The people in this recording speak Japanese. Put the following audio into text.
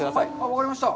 分かりました。